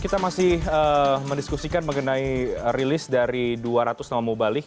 kita masih mendiskusikan mengenai rilis dari dua ratus nama mubalik